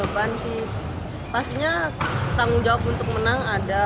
beban sih pastinya tanggung jawab untuk menang ada